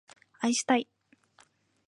愛したい